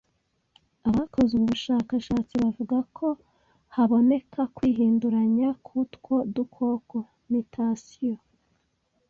Abakoze ubu bushakashatsi bavuga ko haboneka kwihinduranya kw'utwo dukoko (mutation